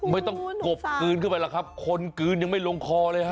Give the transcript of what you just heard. ไม่ต้องกบคืนขึ้นไปละครับคนคืนยังไม่ลงคอเลยฮะ